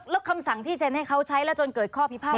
แล้วคำสั่งที่เซ็นให้เขาใช้แล้วจนเกิดข้อพิพาท